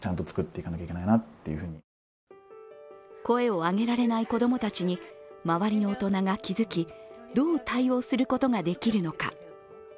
声を上げられない子供たちに周りの大人が気づき、どう対応することができるのか。